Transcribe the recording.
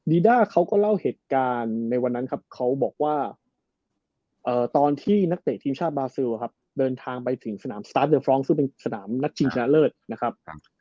ด้าเขาก็เล่าเหตุการณ์ในวันนั้นครับเขาบอกว่าตอนที่นักเตะทีมชาติบาซิลครับเดินทางไปถึงสนามสตาร์ทเดลฟรองกซึ่งเป็นสนามนัดชิงชนะเลิศนะครับ